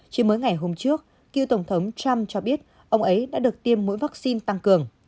chỉ mới ngày hôm trước cựu tổng thống trump cho biết ông ấy đã được tiêm mỗi vaccine tăng cường